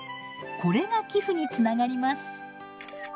これが寄付につながります。